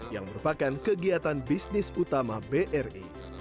yang merupakan kegiatan bisnis utama bri